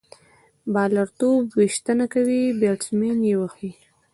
بالر توپ ویشتنه کوي، بیټسمېن يې وهي.